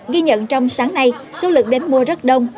ghi nhận trong sáng nay số lượng đến mua rất đông